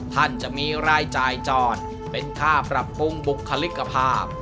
ท่านจะมีรายจ่ายจอดเป็นค่าปรับปรุงบุคลิกภาพ